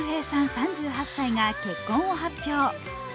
３８歳が結婚を発表。